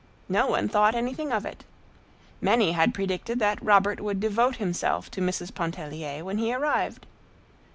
No one thought anything of it. Many had predicted that Robert would devote himself to Mrs. Pontellier when he arrived.